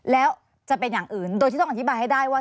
แล้วจะเป็นอย่างอื่นโดยที่ต้องอธิบายให้ได้ว่า